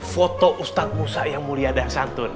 foto ustadz musa yang mulia dan santun